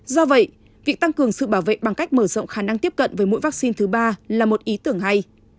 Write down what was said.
do vậy việc tăng cường sự bảo vệ bằng cách mở rộng khả năng tiếp cận với mỗi vaccine thứ ba là một ý tưởng hay